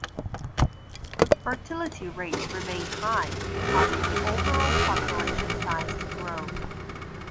Fertility rates remain high, causing the overall population size to grow.